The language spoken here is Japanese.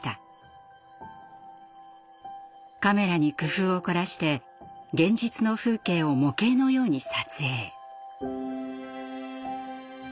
カメラに工夫を凝らして現実の風景を模型のように撮影。